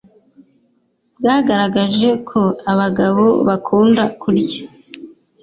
bwagaragaje ko abagabo bakunda kurya